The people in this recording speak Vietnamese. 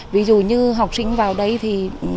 ví dụ như học sinh vào đây thì